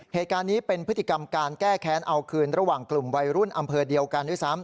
เหตุการณ์นี้เป็นพฤติกรรมการแก้แค้นเอาคืนระหว่างกลุ่มวัยรุ่นอำเภอเดียวกันด้วยซ้ำ